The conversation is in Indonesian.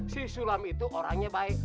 si sulam itu orangnya baik